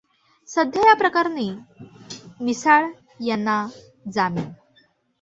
सध्या या प्रकरणी मिसाळ यांना जामीन.